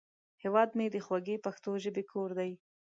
هیواد مې د خوږې پښتو ژبې کور دی